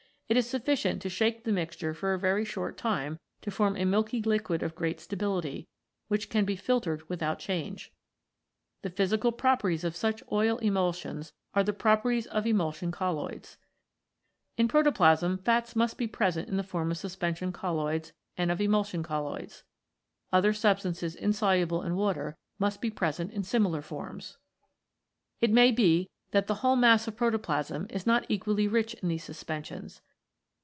It is sufficient to shake the mixture for a very short time to form a milky liquid of great stability, which can be filtered without change. The physical properties of such oil emulsions are the properties of emulsion colloids. In protoplasm fats must be present in the form of suspension colloids and of emulsion colloids. Other substances insoluble in water must be present in similar forms. D 33 CHEMICAL PHENOMENA IN LIFE It may be that the whole mass of protoplasm is not equally rich in these suspensions.